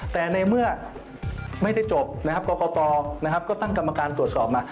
แต่ในเมื่อไม่ได้จบนะครับกรกตนะครับก็ตั้งกรรมการตรวจสอบมา